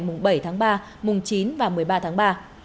mùng bảy tháng ba mùng chín và một mươi ba tháng ba